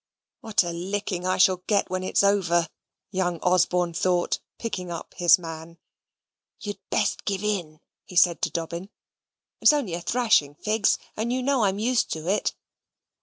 "What a licking I shall get when it's over," young Osborne thought, picking up his man. "You'd best give in," he said to Dobbin; "it's only a thrashing, Figs, and you know I'm used to it."